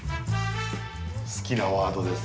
好きなワードです。